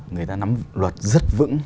người ta nắm luật rất vững